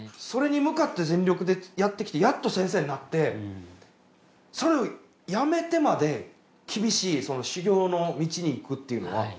それに向かって全力でやってきてやっと先生になってそれを辞めてまで厳しい修行の道に行くっていうのは。